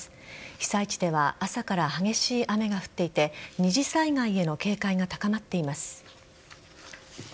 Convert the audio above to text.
被災地では朝から激しい雨が降っていて二次災害への警戒が高まっています。